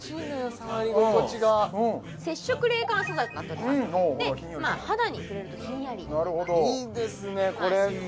触り心地が接触冷感素材となっておりますで肌に触れるとひんやりなるほどいいですね